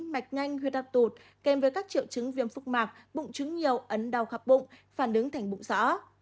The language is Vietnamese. mạch nhanh huyết áp tụt kèm với các triệu chứng viêm phúc mạc bụng trứng nhiều ấn đau khập bụng phản ứng thành bụng rõ